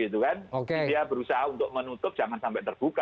dia berusaha untuk menutup jangan sampai terbuka